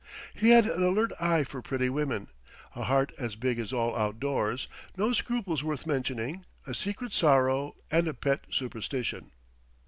He had an alert eye for pretty women, a heart as big as all out doors, no scruples worth mentioning, a secret sorrow, and a pet superstition.